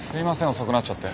遅くなっちゃって。